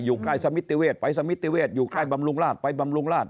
อยู่ใกล้สมิติเวศไปสมิติเวศอยู่ใกล้บำรุงราชไปบำรุงราช